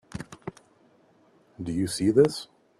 Do you see this?